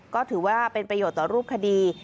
ก็ถือว่าเป็นประโยชน์ต่อรูปคดี